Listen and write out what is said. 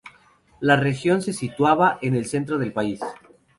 La región se situaba en el centro del país.